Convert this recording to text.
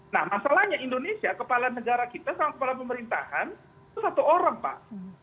nah masalahnya indonesia kepala negara kita sama kepala pemerintahan itu satu orang pak